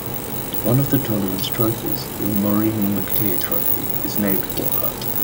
One of the tournament's trophies, the Maureen McTeer Trophy, is named for her.